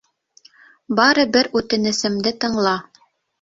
Бары бер үтенесемде тыңла.